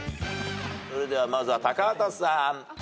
それではまずは高畑さん。